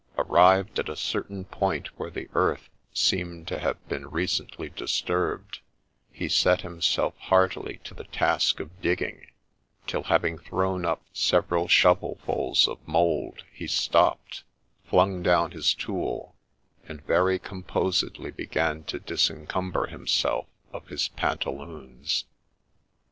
Arrived at a certain point where the earth seemed to have been recently disturbed, he set himself heartily to the task of digging, till, having thrown up several shovelfuls of mould, he stopped, flung down his tool, and very composedly began to disencumber himself of his pantaloons.